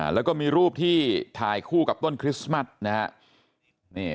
แล้วก็มีรูปที่ถ่ายคู่กับต้นคริสต์มัสนะฮะ